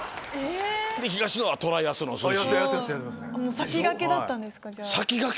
先駆けだったんですか。